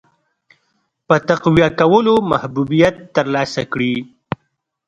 په تقویه کولو محبوبیت ترلاسه کړي.